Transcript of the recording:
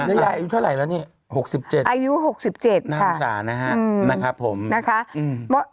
ได้ยายอีกเท่าไหร่แล้วนี่๖๗บาทอายุ๖๗บาทค่ะนั่งอุตส่าห์นะฮะ